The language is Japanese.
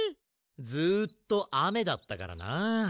ずっとあめだったからなあ。